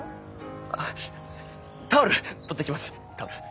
あっタオル取ってきますタオル。